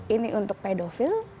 ini untuk pedofil